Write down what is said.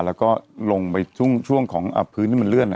แล้วก็ลงไปช่วงนี้มันเลื่อน